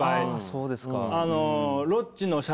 そうですか。